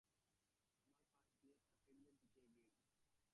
আমার পাশ দিয়ে তার টেবিলের দিকে এগিয়ে গেল।